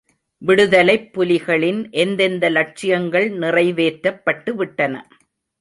விடுதலைப் புலிகளின் எந்தெந்த லட்சியங்கள் நிறைவேற்றப் பட்டுவிட்டன.